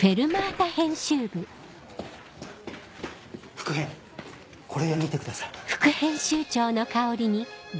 副編これ見てください。